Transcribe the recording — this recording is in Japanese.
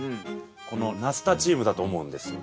このナスタチウムだと思うんですよ。